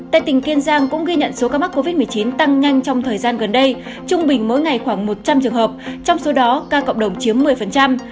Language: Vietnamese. tại tỉnh kiên giang cũng ghi nhận số ca mắc covid một mươi chín tăng nhanh trong thời gian gần đây trung bình mỗi ngày khoảng một trăm linh trường hợp trong số đó ca cộng đồng chiếm một mươi